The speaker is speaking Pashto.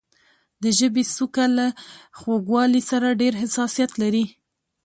د ژبې څوکه له خوږوالي سره ډېر حساسیت لري.